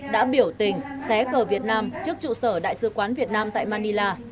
đã biểu tình xé cờ việt nam trước trụ sở đại sứ quán việt nam tại manila